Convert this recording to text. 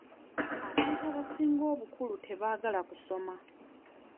Abantu abasinga obukulu tebaagala kusoma.